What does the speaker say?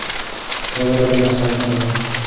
دا لاره ډېره خطرناکه ده.